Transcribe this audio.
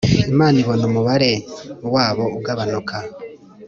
Imana ibona umubare wabo ugabanuka